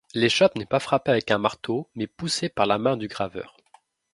L’échoppe n’est pas frappée avec un marteau mais poussée par la main du graveur.